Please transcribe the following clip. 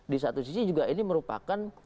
di satu sisi juga ini merupakan